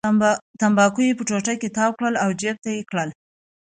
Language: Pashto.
تنباکو یې په ټوټه کې تاو کړل او جېب ته یې کړل.